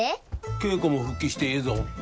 稽古も復帰してええぞ。